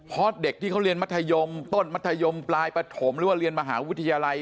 เพราะเด็กที่เขาเรียนมัธยมต้นมัธยมปลายปฐมหรือว่าเรียนมหาวิทยาลัย